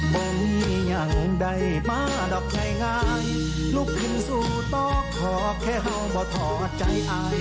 มีอย่างใดมารับไข่งานลูกขึ้นสี่ต่อขอแค่หาว่าถอดใจอาย